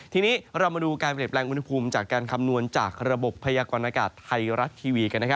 ทีนี้เรามาดูการเปลี่ยนแปลงอุณหภูมิจากการคำนวณจากระบบพยากรณากาศไทยรัฐทีวีกัน